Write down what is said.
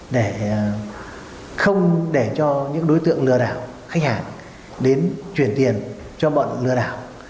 để không để cho những đối tượng lừa đảo khách hàng đến chuyển tiền cho bọn lừa đảo